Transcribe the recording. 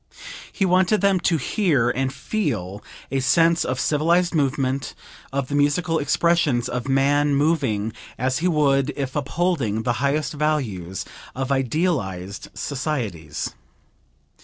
He wanted them to hear and feel a sense of civilized movement, of the musical expressions of man moving as he would if upholding the highest values of idealized societies.